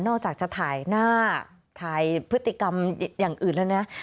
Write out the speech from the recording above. อกจากจะถ่ายหน้าถ่ายพฤติกรรมอย่างอื่นแล้วนะ